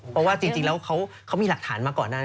เพราะว่าจริงแล้วเขามีหลักฐานมาก่อนหน้านั้น